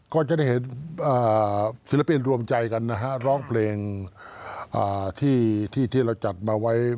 ก็จะได้เห็นศิลปินรวมใจกันนะฮะร้องเพลงที่เราจัดมาไว้